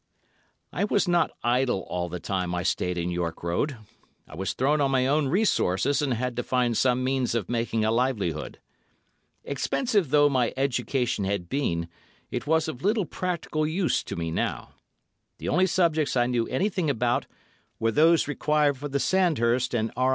I was not idle all the time I stayed in York Road. I was thrown on my own resources and had to find some means of making a livelihood. Expensive though my education had been, it was of little practical use to me now. The only subjects I knew anything about were those required for the Sandhurst and R.